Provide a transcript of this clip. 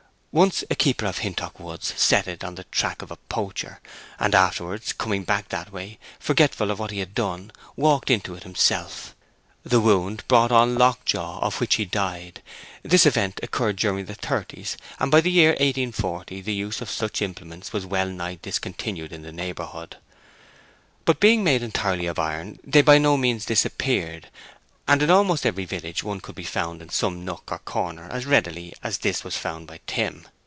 Once a keeper of Hintock woods set it on the track of a poacher, and afterwards, coming back that way, forgetful of what he had done, walked into it himself. The wound brought on lockjaw, of which he died. This event occurred during the thirties, and by the year 1840 the use of such implements was well nigh discontinued in the neighborhood. But being made entirely of iron, they by no means disappeared, and in almost every village one could be found in some nook or corner as readily as this was found by Tim.